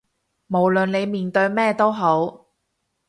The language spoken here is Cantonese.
無論你面對咩都好